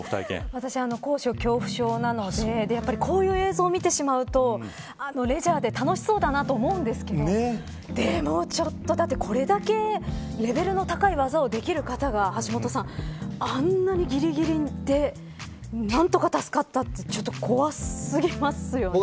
私、高所恐怖症なのでこういう映像を見てしまうとレジャーで楽しそうだなと思うんですけどでも、これだけレベルの高い技をできる方があんなにぎりぎりで何とか助かったってちょっと怖すぎますよね。